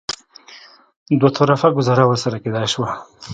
دوه طرفه ګوزاره ورسره کېدای شوه.